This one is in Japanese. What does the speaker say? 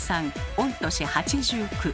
御年８９。